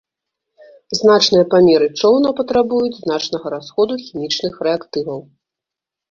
Значныя памеры чоўна патрабуюць значнага расходу хімічных рэактываў.